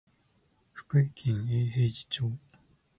福井県永平寺町